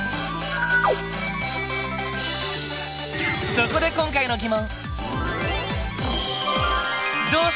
そこで今回の疑問！